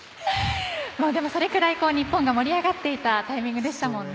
それくらい日本が盛り上がっていたタイミングでしたものね。